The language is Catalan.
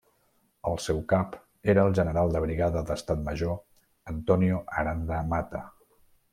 El seu cap era el general de brigada d'Estat Major Antonio Aranda Mata.